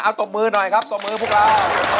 เอาตบมือหน่อยครับตบมือพวกเรา